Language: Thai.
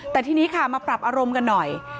แต่ทีนี้ค่ะมาปรับอารมณ์กันหน่อย